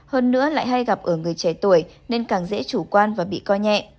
hơn nữa lại hay gặp ở người trẻ tuổi nên càng dễ chủ quan và bị co nhẹ